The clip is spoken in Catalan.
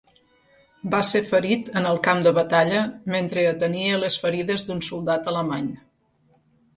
Va ser ferit en el camp de batalla mentre atenia les ferides d'un soldat alemany.